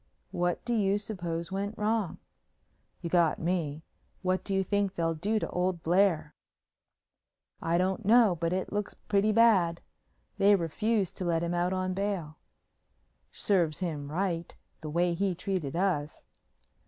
"What do you suppose went wrong?" "You got me. What do you think they'll do to old Blair?" "I don't know, but it looks pretty bad. They refused to let him out on bail." "Serves him right. The way he treated us."